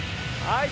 はい。